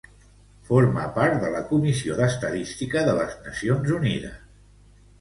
Forma part de la Comissió d'Estadística de les Nacions Unides.